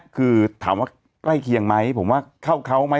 คือถามว่าใกล้เคียงไหมผมว่าเข้าเขาไหม